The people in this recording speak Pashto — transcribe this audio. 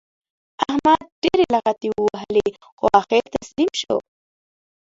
احمد ډېرې لغتې ووهلې؛ خو اخېر تسلیم شو.